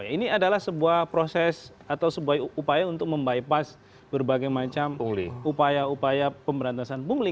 ini adalah sebuah proses atau sebuah upaya untuk membypass berbagai macam upaya upaya pemberantasan